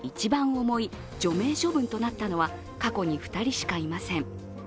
重い除名処分となったのは過去に２人しかいません。